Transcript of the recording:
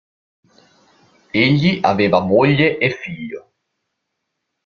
Egli aveva moglie e figlio.